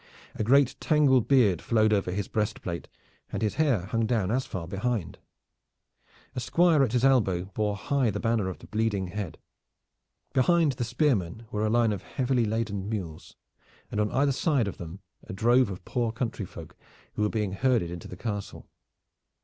A great tangled beard flowed over his breastplate, and his hair hung down as far behind. A squire at his elbow bore high the banner of the bleeding head. Behind the spearmen were a line of heavily laden mules, and on either side of them a drove of poor country folk, who were being herded into the castle.